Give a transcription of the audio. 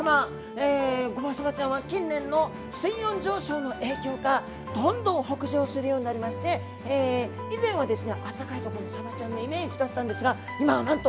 えゴマサバちゃんは近年の水温上昇の影響かどんどん北上するようになりまして以前はですね暖かいとこのさばちゃんのイメージだったんですが今はなんと！